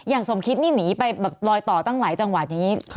สมคิตนี่หนีไปแบบลอยต่อตั้งหลายจังหวัดอย่างนี้